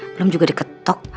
belum juga diketok